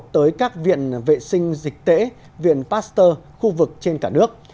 tới các viện vệ sinh dịch tễ viện pasteur khu vực trên cả nước